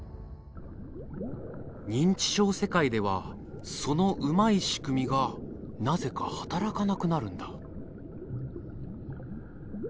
認知症世界ではそのうまい仕組みがなぜか働かなくなるんだ。